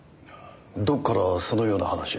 どこからそのような話を。